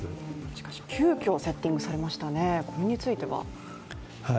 しかし、急きょセッティングされましたが、これについては？